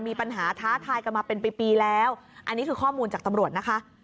มีปัญหาท้าทายกันมาเป็นปีแล้วอันนี้คือข้อมูลจากตำรวจนะคะ